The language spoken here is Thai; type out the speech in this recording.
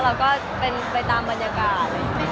เราก็เป็นไปตามบรรยากาศ